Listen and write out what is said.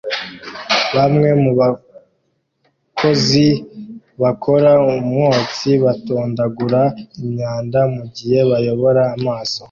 Bamwe mu bakozi bakora umwotsi batondagura imyanda mugihe bayobora amaso